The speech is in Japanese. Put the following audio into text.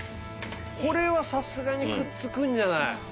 これはさすがにくっつくんじゃない？